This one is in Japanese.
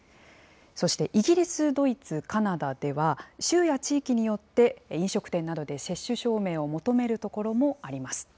そしてイギリス、ドイツ、カナダでは、州や地域によって、飲食店などで接種証明を求める所もあります。